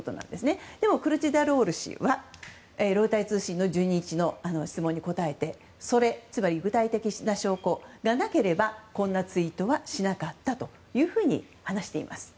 でも、クルチダルオール氏はロイター通信の１２日の質問に答えてそれ、つまり具体的な証拠がなければこんなツイートはしなかったと話しています。